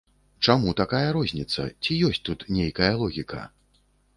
Чаму такая розніца, ці ёсць тут нейкая логіка?